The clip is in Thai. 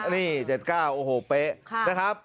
นี่๗๙โอ้โหเป๊ะ